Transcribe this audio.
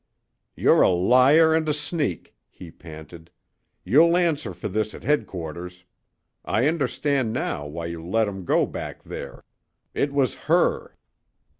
"You're a liar and a sneak!" he panted. "You'll answer for this at headquarters. I understand now why you let 'em go back there. It was her!